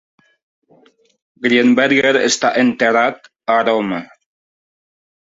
Grienberger està enterrat a Roma.